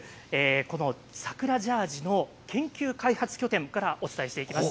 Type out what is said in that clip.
この桜ジャージの研究開発拠点からお伝えしていきます。